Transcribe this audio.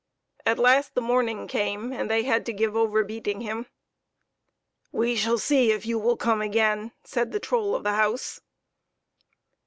At last the morning came, and they had to give over beating him. " We shall see if you will come again," said the troll of the house.